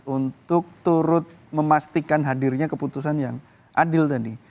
untuk turut memastikan hadirnya keputusan yang adil tadi